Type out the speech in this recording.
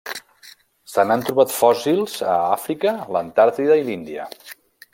Se n'han trobat fòssils a Àfrica, l'Antàrtida i l'Índia.